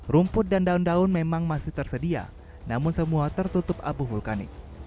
rumput dan daun daun memang masih tersedia namun semua tertutup abu vulkanik